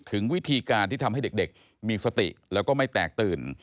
ถึงวิธีการที่ทำให้เด็กมีสติแล้วก็ไม่แตกตื่น